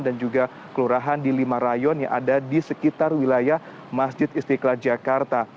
dan juga kelurahan di lima rayon yang ada di sekitar wilayah masjid istiqlal jakarta